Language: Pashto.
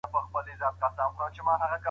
ټولنیزي رسنۍ د محرمیت لپاره ګواښ کیدای سي.